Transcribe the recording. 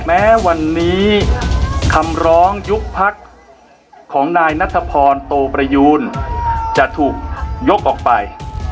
แม้วันนี้คำร้องยุบพักของนายนัทพรโตประยูนจะถูกยกออกไป